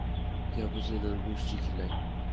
ক্যাপাচিনোর গুষ্টি কিলাই।